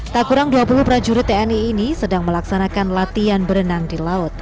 tak kurang dua puluh prajurit tni ini sedang melaksanakan latihan berenang di laut